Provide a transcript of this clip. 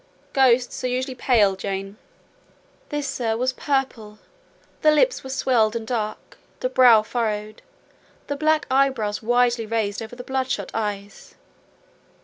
"Ghosts are usually pale, Jane." "This, sir, was purple: the lips were swelled and dark; the brow furrowed: the black eyebrows widely raised over the bloodshot eyes.